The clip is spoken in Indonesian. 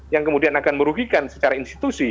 yang kemudian akan merugikan secara institusi